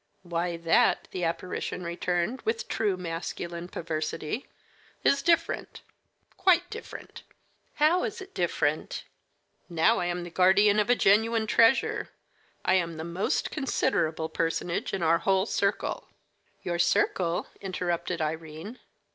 "Why, that," the apparition returned, with true masculine perversity, "is different quite different." "How is it different?" "Now I am the guardian of a genuine treasure. I am the most considerable personage in our whole circle." "Your circle?" interrupted Irene.